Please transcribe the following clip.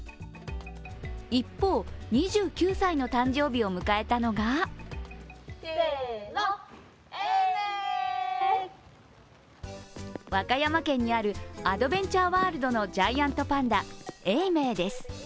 一方、２９歳の誕生日を迎えたのが和歌山県にあるアドベンチャーワールドのジャイアントパンダ、永明です。